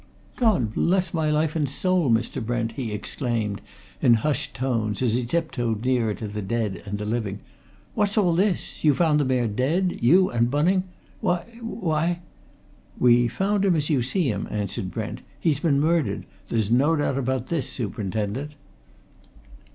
"God bless my life and soul, Mr. Brent!" he exclaimed in hushed tones as he tiptoed nearer to the dead and the living. "What's all this? You found the Mayor dead you and Bunning? Why why " "We found him as you see him," answered Brent. "He's been murdered! There's no doubt about this, superintendent."